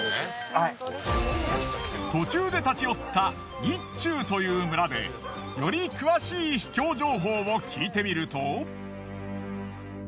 途中で立ち寄った一宇という村でより詳しい秘境情報を聞いてみると。